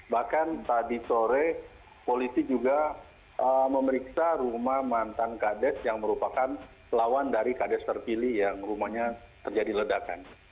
bahkan tadi sore polisi juga memeriksa rumah mantan kades yang merupakan lawan dari kades terpilih yang rumahnya terjadi ledakan